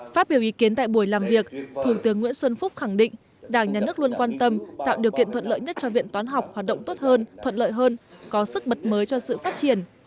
phát biểu ý kiến tại buổi làm việc thủ tướng nguyễn xuân phúc khẳng định đảng nhà nước luôn quan tâm tạo điều kiện thuận lợi nhất cho viện toán học hoạt động tốt hơn thuận lợi hơn có sức mật mới cho sự phát triển